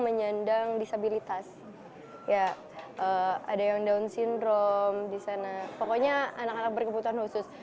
menyandang disabilitas ya ada yang down syndrome di sana pokoknya anak anak berkebutuhan khusus